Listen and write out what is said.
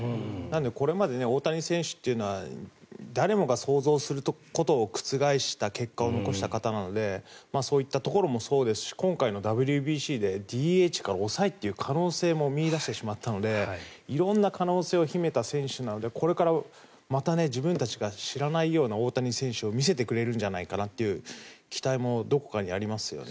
これまで大谷選手というのは誰もが想像することを覆した結果を残した方なのでそういったところもそうですし今回のＷＢＣでＤＨから抑えという可能性も見いだしてしまったので色んな可能性を秘めた選手なのでこれからまた自分たちが知らないような大谷選手を見せてくれるんじゃないかなという期待もどこかにありますよね。